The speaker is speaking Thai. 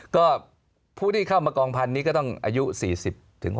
ก็ผู้ที่เข้ามากองพันธุ์นี้ก็ต้องอายุ๔๐